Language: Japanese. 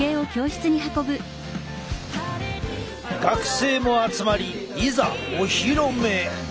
学生も集まりいざお披露目。